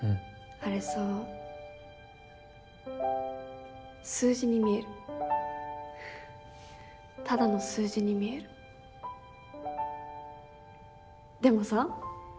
あれさ数字に見えるただの数字に見えるでもさ